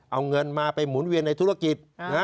เอาเงินมาไปหมุนเวียนในธุรกิจ